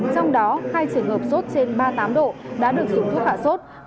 trong đó hai trường hợp sốt trên ba mươi tám độ đã được sử dụng thuốc khả sốt